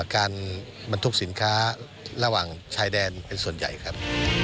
การบรรทุกสินค้าระหว่างชายแดนเป็นส่วนใหญ่ครับ